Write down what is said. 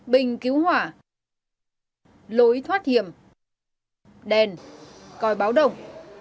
bình cứu hỏa lối thoát hiểm đèn coi báo động